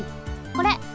これ。